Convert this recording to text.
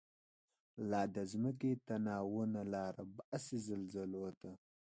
لا د مځکی تناوونه، لاره باسی زلزلوته